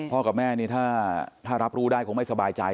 กับแม่นี่ถ้ารับรู้ได้คงไม่สบายใจ